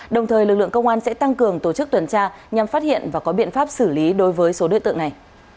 đồng thời lực lượng công an sẽ tăng cường tổ chức tuần tra nhằm phát hiện và có biện pháp xử lý đối với số đối tượng này